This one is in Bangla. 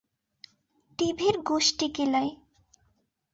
টিভির গুষ্ঠি কিলাই।